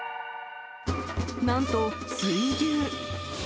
なんと、水牛。